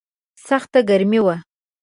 سخته ګرمي وه.